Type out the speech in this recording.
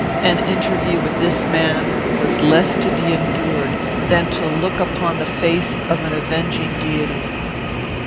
"An interview with this man was less to be endured than to look upon the face of an avenging deity.